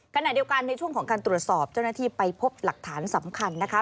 ขณะเดียวกันในช่วงของการตรวจสอบเจ้าหน้าที่ไปพบหลักฐานสำคัญนะคะ